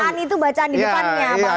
pan itu bacaan di depannya